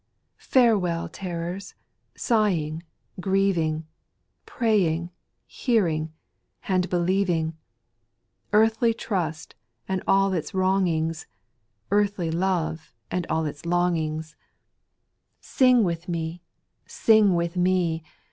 Farewell terrors, sighing, grieving, Praying, hearing, and believing, Earthly trust, and all its wrongings, Marthly love, and all its longings. SPIRITUAL SONGS. 481 3. Sing with me I sing with me